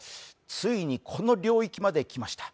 ついに、この領域まで来ました。